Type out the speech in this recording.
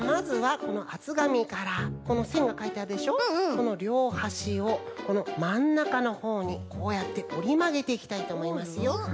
このりょうはしをこのまんなかのほうにこうやっておりまげていきたいとおもいますよ。